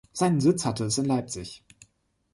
Seinen Sitz hatte es in Leipzig.